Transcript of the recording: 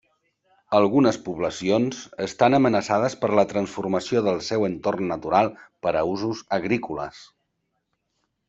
Algunes poblacions estan amenaçades per la transformació del seu entorn natural per a usos agrícoles.